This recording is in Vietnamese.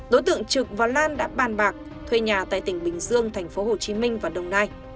đối tượng trực và lan đã bàn bạc thuê nhà tại tỉnh bình dương thành phố hồ chí minh và đồng nai